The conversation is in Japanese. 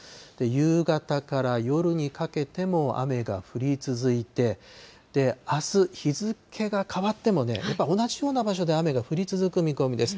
夕方から夜にかけても雨が降り続いて、あす、日付が変わっても、やっぱり同じような場所で雨が降り続く見込みです。